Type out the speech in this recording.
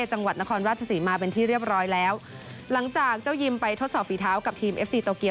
จังหวัดนครราชศรีมาเป็นที่เรียบร้อยแล้วหลังจากเจ้ายิมไปทดสอบฝีเท้ากับทีมเอฟซีโตเกีย